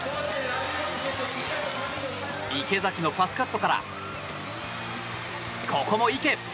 池崎のパスカットからここも池。